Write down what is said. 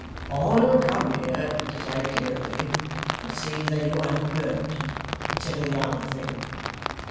I'm come here to take care of you, and see that you an't burnt, instead of the other thing.